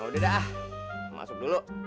udah dah masuk dulu